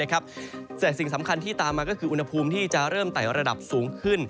แต่สิ่งสำคัญที่ตามมาก็คืออุณหภูมิที่จะเริ่มไต่ระดับสูงขึ้น